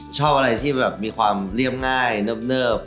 ชอบอะไรที่แบบมีความเรียบง่ายเนิบ